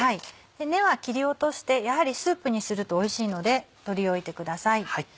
根は切り落としてやはりスープにするとおいしいので取り置いてください。